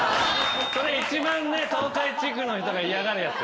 それ一番ね東海地区の人が嫌がるやつよ。